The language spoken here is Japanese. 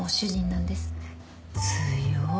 強い。